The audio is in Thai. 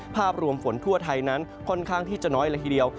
ภาพรวมฝนทั่วไทยนั้นค่อนข้างที่จะน้อยละทีเดียว